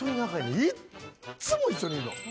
いっつも一緒にいるの。